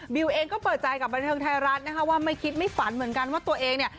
เองก็เปิดใจกับบันเทิงไทยรัฐนะคะว่าไม่คิดไม่ฝันเหมือนกันว่าตัวเองเนี่ย